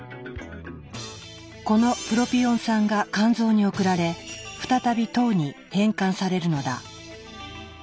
このプロピオン酸が肝臓に送られ再び糖に変換されるのだ。